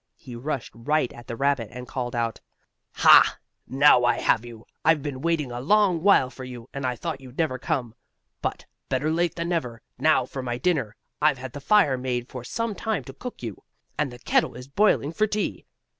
He rushed right at the rabbit, and called out: "Ha! Now I have you! I've been waiting a long while for you, and I thought you'd never come. But, better late than never. Now for my dinner! I've had the fire made for some time to cook you, and the kettle is boiling for tea."